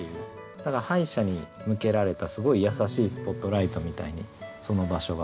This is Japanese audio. ただ敗者に向けられたすごい優しいスポットライトみたいにその場所が浮かぶなと。